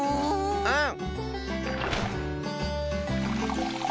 うん。